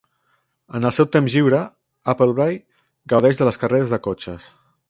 En el seu temps lliure, Appleby gaudeix de les carreres de cotxes.